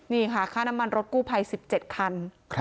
นี่ค่ะค่าน้ำมันรถกู้ภัย๑๗คัน